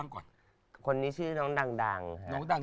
คนนี้ชื่อน้องดัง